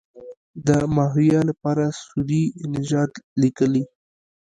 د ماهویه لپاره سوري نژاد لیکلی.